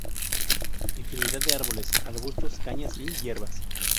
Infinidad de árboles, arbustos, cañas y hierbas.